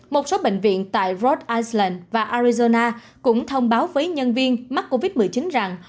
một số bệnh viện tại rod iceland và arizona cũng thông báo với nhân viên mắc covid một mươi chín rằng